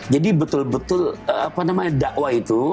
jadi betul betul dakwah itu